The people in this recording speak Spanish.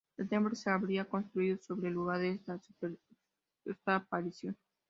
El templo se habría construido sobre el lugar de esa supuesta aparición.